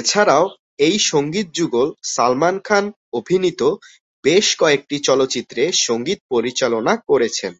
এছাড়াও এই সঙ্গীত যুগল সালমান খান অভিনীত বেশ কয়েকটি চলচ্চিত্রে সঙ্গীত পরিচালনা করেছেন।